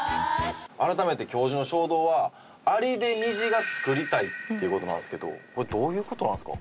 改めて教授の衝動はアリで虹が作りたいっていう事なんですけどこれどういう事なんですか？